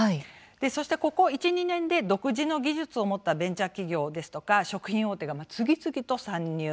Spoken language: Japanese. そしてここ１、２年で独自の技術を持ったベンチャー企業ですとか食品大手が次々と参入。